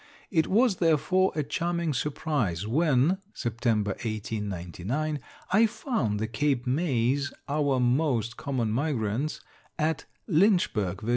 It was, therefore, a charming surprise when (September, 1899,) I found the Cape Mays our most common migrants at Lynchburg, Va.